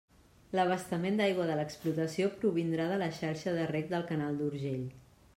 L'abastament d'aigua de l'explotació provindrà de la xarxa de reg del canal d'Urgell.